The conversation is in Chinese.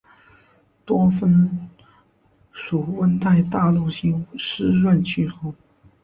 多芬属温带大陆性湿润气候。